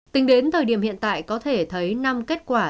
tính đến thời điểm hiện tại có thể thấy năm kết quả